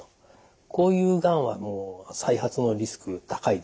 こういうがんは再発のリスク高いです。